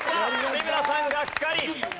三村さんがっかり。